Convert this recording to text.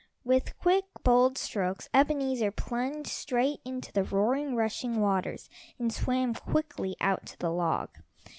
With quick, bold strokes Ebenezer plunged straight into the roaring, rushing waters, and swam quickly out to the log.